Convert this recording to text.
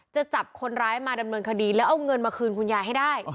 จะจับคนร้ายมาดำเนินคดีแล้วเอาเงินมาคืนคุณยายให้ได้